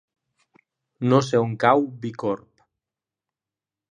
No sé on cau Bicorb.